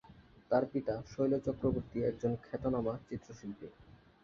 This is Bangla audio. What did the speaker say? তার পিতা শৈল চক্রবর্তী একজন খ্যাতনামা চিত্রশিল্পী।